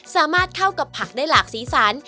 สามารถเข้ากับผักได้หลากสีสัน